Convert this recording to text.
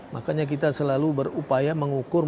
makanya kita selalu berupaya mengukur